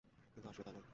কিন্তু, আসলে তা নয়!